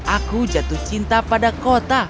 aku jatuh cinta pada kota